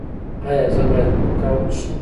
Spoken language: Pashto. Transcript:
ایا زه باید وودکا وڅښم؟